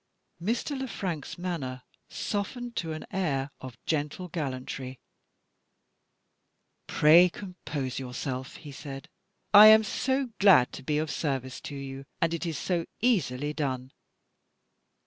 Mr. Le Frank's manner softened to an air of gentle gallantry. "Pray compose yourself!" he said. "I am so glad to be of service to you, and it is so easily done!"